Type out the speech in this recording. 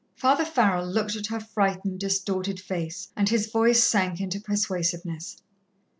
Father Farrell looked at her frightened, distorted face, and his voice sank into persuasiveness.